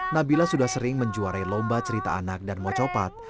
nabila sudah sering menjuarai lomba cerita anak dan mocopat